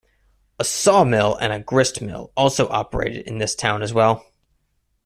A saw mill and a grist mill also operated in this town as well.